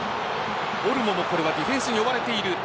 オルモもディフェンスに追われている。